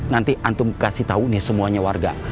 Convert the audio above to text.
nanti antum kasih tahu nih semuanya warga